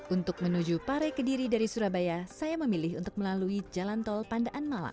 untuk menuju pare kediri dari surabaya saya memilih untuk melalui jalan tol pandaan malang